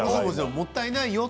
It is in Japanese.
もったいないよ。